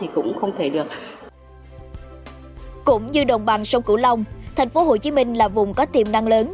cũng như đồng bằng sông cửu long thành phố hồ chí minh là vùng có tiềm năng lớn